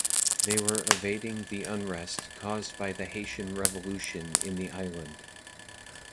They were evading the unrest caused by the Haitian Revolution in the island.